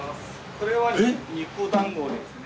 これは肉団子ですね。